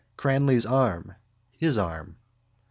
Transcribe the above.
Cranly's arm. His arm.